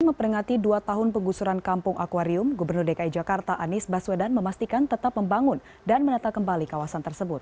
memperingati dua tahun penggusuran kampung akwarium gubernur dki jakarta anies baswedan memastikan tetap membangun dan menata kembali kawasan tersebut